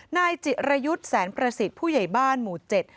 นายจิรยุทธ์แสนประสิทธิ์ผู้ใหญ่บ้านหมู่เจ็ด